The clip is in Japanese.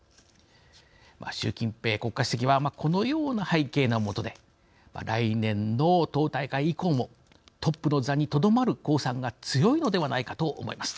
習近平国家主席はこのような背景の下で来年の党大会以降もトップの座にとどまる公算が強いのではないかと思います。